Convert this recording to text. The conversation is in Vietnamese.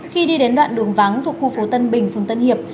khi đi đến đoạn đường vắng thuộc khu phố tân bình phường tân hiệp